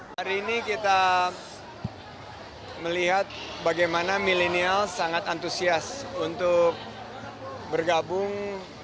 hari ini kita melihat bagaimana milenial sangat antusias untuk bergabung